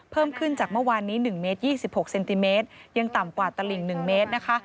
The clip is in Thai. เพิ่มขึ้นจากเมื่อวานนี้๑เมตร๒๖เซนติเมตรยังต่ำกว่าตลิ่ง๑เมตรนะคะ